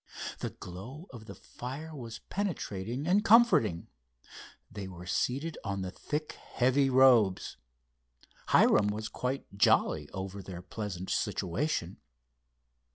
The glow of the fire was penetrating and comforting. They were seated on the thick, heavy robes. Hiram was quite jolly over their pleasant situation.